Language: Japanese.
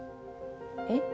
えっ？